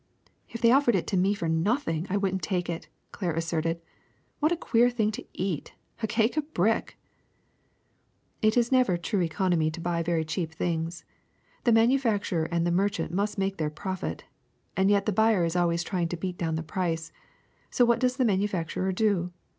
If they offered it to me for nothing I wouldn't take it," Claire asserted. *^What a queer thing to eat — a cake of brick !'' ^*It is never true economy to buy very cheap things. The manufacturer and the merchant must make their profit. And yet the buyer is always try ing to beat down the price. So what does the manu facturer do?